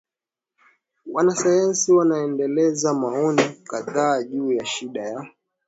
Wanasayansi wanaelezea maoni kadhaa juu ya shida ya